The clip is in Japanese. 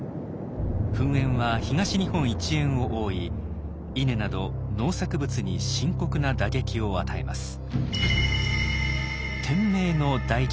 噴煙は東日本一円を覆い稲など農作物に深刻な打撃を与えます。